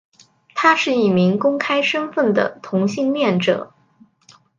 他是一名公开身份的同性恋者。